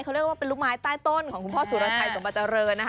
เขาเรียกว่าเป็นลูกไม้ใต้ต้นของคุณพ่อสุรชัยสมบัติเจริญนะคะ